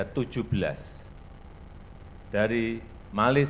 sedangkan supplier dari indonesia